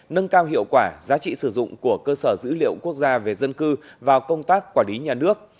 nâng cao hiệu quả giá trị sử dụng của cơ sở dữ liệu quốc gia về dân cư vào công tác quản lý nhà nước